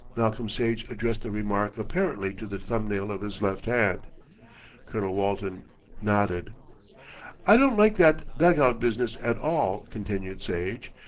Malcolm Sage addressed the remark apparently to the thumbnail of his left hand. Colonel Walton nodded. "I don't like that dug out business at all," continued Sage.